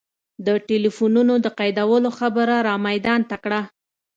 د ټلفونونو د قیدولو خبره را میدان ته کړه.